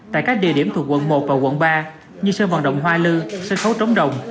tại các địa điểm thuộc quận một và quận ba như sân vận động hoa lư sân khấu trống đồng